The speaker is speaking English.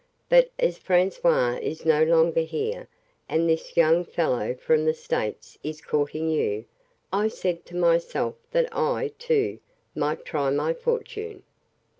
But as François is no longer here, and this young fellow from the States is courting you, I said to myself that I, too, might try my fortune